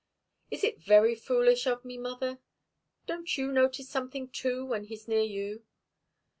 "Is it very foolish of me, mother? Don't you notice something, too, when he's near you?"